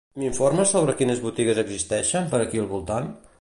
M'informes sobre quines botigues existeixen per aquí al voltant?